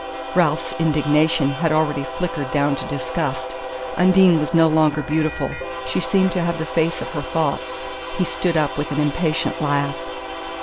Ralph's indignation had already flickered down to disgust. Undine was no longer beautiful she seemed to have the face of her thoughts. He stood up with an impatient laugh.